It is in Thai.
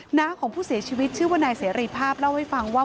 หน้าของผู้เสียชีวิตชื่อว่านายเสรีภาพเล่าให้ฟังว่า